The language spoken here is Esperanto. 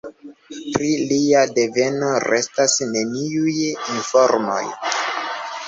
Pri lia deveno restas neniuj informoj.